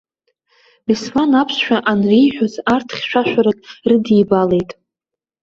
Беслан аԥсшәа анреиҳәоз арҭ хьшәашәарак рыдибалеит.